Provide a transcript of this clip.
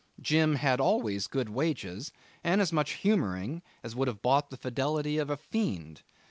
Jim had always good wages and as much humouring as would have bought the fidelity of a fiend.